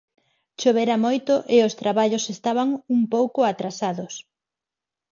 Chovera moito e os traballos estaban un pouco atrasados.